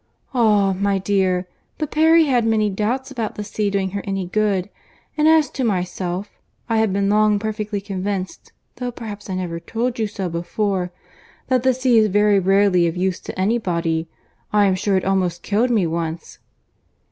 "Ah! my dear, but Perry had many doubts about the sea doing her any good; and as to myself, I have been long perfectly convinced, though perhaps I never told you so before, that the sea is very rarely of use to any body. I am sure it almost killed me once."